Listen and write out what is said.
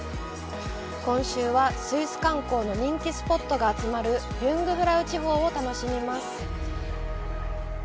今週は、スイス観光の人気スポットが集まるユングフラウ地方を楽しみます！